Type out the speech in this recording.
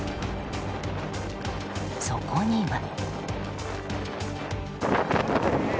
そこには。